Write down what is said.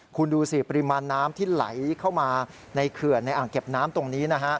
คุณดูสิปริมาณน้ำที่ไหลเข้ามาในเขื่อนในอ่างเก็บน้ำตรงนี้นะฮะ